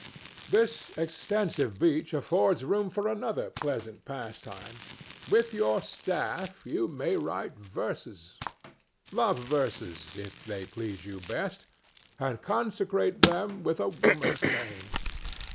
This extensive beach affords room for another pleasant pastime. With your staff you may write verses—love verses if they please you best—and consecrate them with a woman's name.